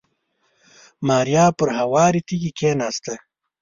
ماريا پر هوارې تيږې کېناسته.